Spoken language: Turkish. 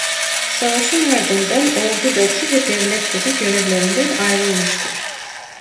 Savaşın ardından ordudaki ve devletteki görevlerinden ayrılmıştır.